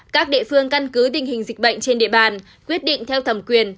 các địa phương căn cứ tình hình dịch bệnh trên địa bàn quyết định theo thẩm quyền